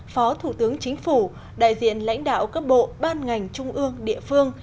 phó thủ tướng chính phủ đại diện lãnh đạo các bộ ban ngành trung ương địa phương